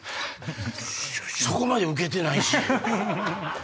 そそこまでウケてないし。